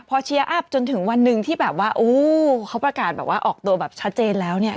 พอเชียร์อัพจนถึงวันหนึ่งที่แบบว่าโอ้เขาประกาศแบบว่าออกตัวแบบชัดเจนแล้วเนี่ย